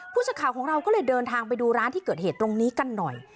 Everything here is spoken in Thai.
ผู้สื่อข่าวของเราก็เลยเดินทางไปดูร้านที่เกิดเหตุตรงนี้กันหน่อย